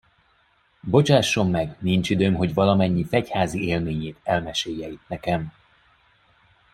Bocsásson meg, nincs időm, hogy valamennyi fegyházi élményét elmesélje itt nekem.